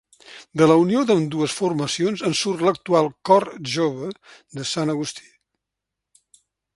De la unió d'ambdues formacions en surt l'actual Cor jove de Sant Agustí.